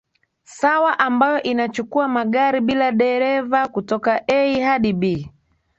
sawa ambayo inachukua magari bila dereva kutoka A hadi B